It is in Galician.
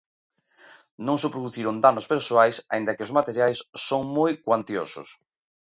Non se produciron danos persoais aínda que os materiais son moi cuantiosos.